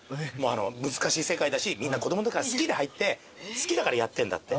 難しい世界だしみんな子供のときから好きで入って好きだからやってんだって。